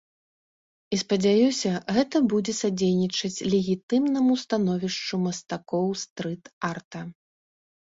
І спадзяюся, гэта будзе садзейнічаць легітымнаму становішчу мастакоў стрыт-арта.